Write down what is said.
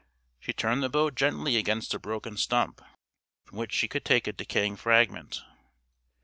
She turned the boat gently against a broken stump from which she could take a decaying fragment.